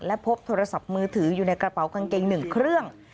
และพบโทรศัพท์มือถืออยู่ในกระเป๋ากางเกง๑เครื่อง